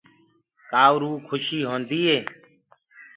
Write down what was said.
ڪآ اُروئو کُشي هوندي ئي